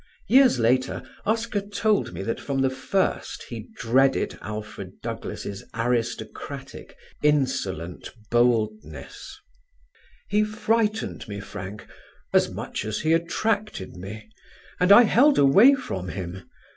Years later Oscar told me that from the first he dreaded Alfred Douglas' aristocratic, insolent boldness: "He frightened me, Frank, as much as he attracted me, and I held away from him.